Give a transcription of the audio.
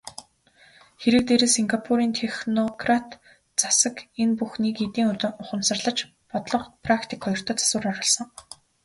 Хэрэг дээрээ Сингапурын технократ засаг энэ бүхнийг хэдийн ухамсарлаж бодлого, практик хоёртоо засвар оруулсан.